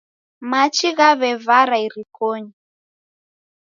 Machi ghaw'evara irikonyi.